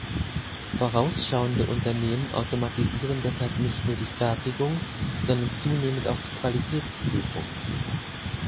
Vorausschauende Unternehmen automatisieren deshalb nicht nur die Fertigung, sondern zunehmend auch die Qualitätsprüfung.